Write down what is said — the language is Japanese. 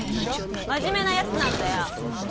真面目なヤツなんだよ！